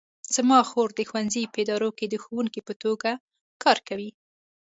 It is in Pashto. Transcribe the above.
زما خور د ښوونځي په اداره کې د ښوونکې په توګه کار کوي